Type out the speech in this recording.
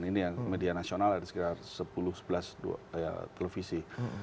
ini yang media nasional ada sekitar sepuluh sebelas televisi